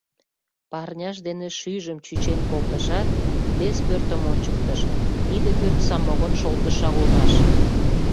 Парняж дене шӱйжым чӱчен колтышат, вес пӧртым ончыктыш: тиде пӧрт самогон шолтышо улмаш.